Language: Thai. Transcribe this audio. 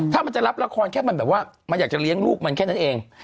ถ้ามันจะรับละครแค่มันแบบว่ามันอยากจะเลี้ยงลูกมันแค่นั้นเอง